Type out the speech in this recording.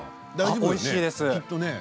おいしいです。